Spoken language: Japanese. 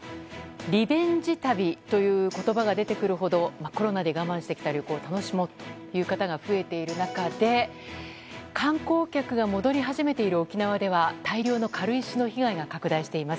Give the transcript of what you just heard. リベンジ旅という言葉が出てくるほどコロナで我慢してきた旅行を楽しもうという方が増えている中で観光客が戻り始めている沖縄では大量の軽石の被害が拡大しています。